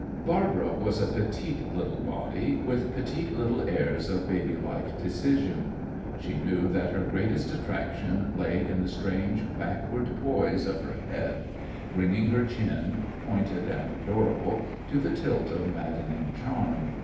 Barbara was a petite little body with petite little airs of babylike decision. She knew that her greatest attraction lay in the strange backward poise of her head, bringing her chin, pointed and adorable, to the tilt of maddening charm.